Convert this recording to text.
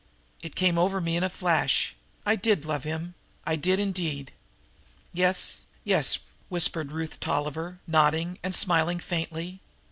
It all came over me in a flash. I did love him I did, indeed!" "Yes, yes," whispered Ruth Tolliver, nodding and smiling faintly.